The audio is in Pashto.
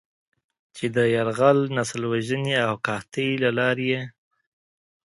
چې د "يرغل، نسل وژنې او قحطۍ" له لارې یې